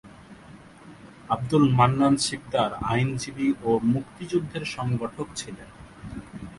আব্দুল মান্নান শিকদার আইনজীবী ও মুক্তিযুদ্ধের সংগঠক ছিলেন।